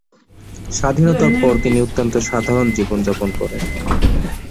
স্বাধীনতার পর তিনি অত্যন্ত সাধারণ জীবন যাপন করেন।